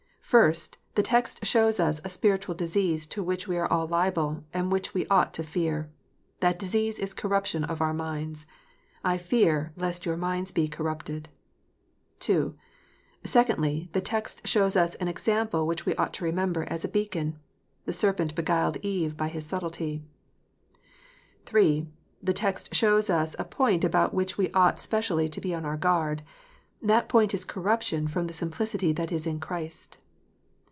First, the text shows us a spiritual disease to which ice are all liable, and which we ought to fear. That disease is corruption of our minds :" I fear, lest your minds be corrupted." II. Secondly, the text shows us an example ivhich we ought to remember, as a beacon: "The serpent beguiled Eve by his subtilty." III. Thirdly, the text shows us a point about which we ought specially to be on our guard. That point is corruption " from the simplicity that is in Christ."